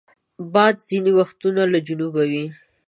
باد ځینې وخت له جنوبه وي